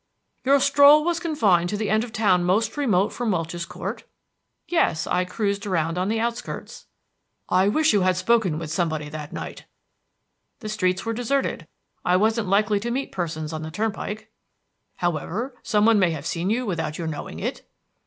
"Your stroll was confined to the end of the town most remote from Welch's Court?" "Yes, I just cruised around on the outskirts." "I wish you had spoken with somebody that night." "The streets were deserted. I wasn't likely to meet persons on the turnpike." "However, some one may have seen you without your knowing it?"